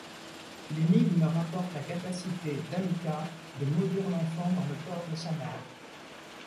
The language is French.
L'énigme rapporte la capacité d'Alukah de maudire l'enfant dans le corps de sa mère.